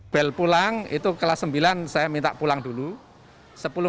bel pulang itu kelas sembilan saya minta pulang dulu